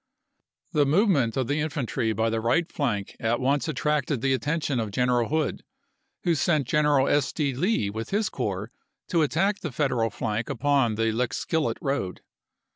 The movement of the infantry by the right flank at once attracted the attention of General Hood who sent General S. D. Lee with his corps to at tack the Federal flank upon the Lickskillet road.